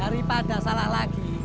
daripada salah lagi